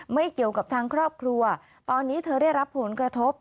ไม่เกี่ยวกับทางครอบครัวตอนนี้เธอได้รับผลกระทบ